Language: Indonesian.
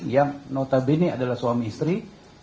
yang notabene adalah suami istri